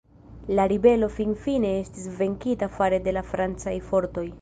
La ribelo finfine estis venkita fare de la Francaj fortoj.